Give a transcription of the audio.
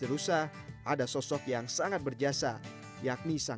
tersebut memiliki keuntungan dan keuntungan yang sangat menarik terhadap produk kulit lain